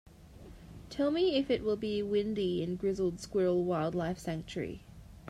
Tell me if it will it be windy in Grizzled Squirrel Wildlife Sanctuary